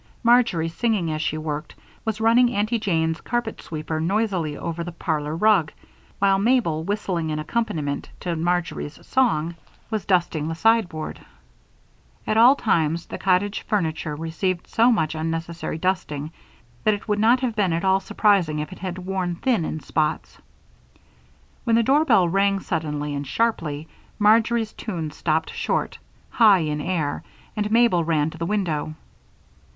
Marjory, singing as she worked, was running her Aunty Jane's carpet sweeper noisily over the parlor rug, while Mabel, whistling an accompaniment to Marjory's song, was dusting the sideboard; at all times the cottage furniture received so much unnecessary dusting that it would not have been at all surprising if it had worn thin in spots. When the doorbell rang suddenly and sharply, Marjory's tune stopped short, high in air, and Mabel ran to the window.